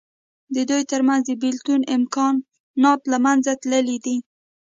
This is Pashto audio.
د دوی تر منځ د بېلتون امکانات له منځه تللي دي.